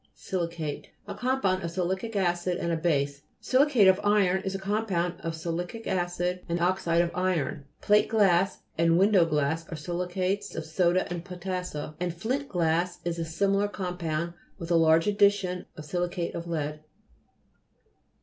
SI'LICATE A compound of silicic acid and a base ; silicate of iron is a compound of silicic acid and oxide of iron ; plate glass and win dow glass are silicates of soda and potassa, and flint glass is a similar compound with a large addition of silicate of lead.